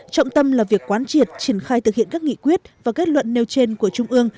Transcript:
trọng tâm là việc quán triệt triển khai thực hiện các nghị quyết và kết luận nêu trên của trung ương